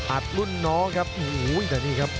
อัดรุ่นน้องครับโหแต่นี่ครับ